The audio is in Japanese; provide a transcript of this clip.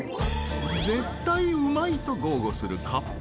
「絶対うまい！」と豪語するかっぽ